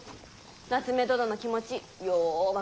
夏目殿の気持ちよう分かります。